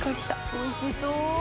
おいしそう！